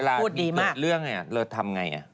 เวลาเกิดเรื่องเลิศทำไง